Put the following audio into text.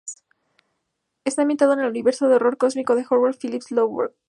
Está ambientado en el universo de horror cósmico de Howard Phillips Lovecraft.